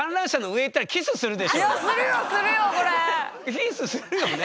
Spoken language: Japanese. キスするよね。